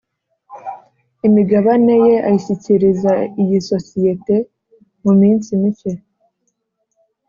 imigabane ye ashyikiriza iyi sosiyete mu minsi mike